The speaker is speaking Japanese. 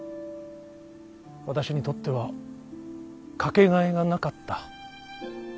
私にとっては掛けがえがなかった。